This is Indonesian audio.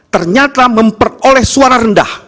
ternyata memperoleh suara rendah